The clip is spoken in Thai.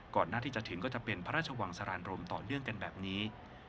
หน้าที่จะถึงก็จะเป็นพระราชวังสารานรมต่อเนื่องกันแบบนี้